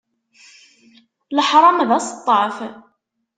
Leḥṛam d aseṭṭaf.